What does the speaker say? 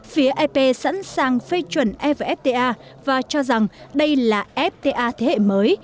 phía ep sẵn sàng phê chuẩn evfta và cho rằng đây là fta thế hệ mới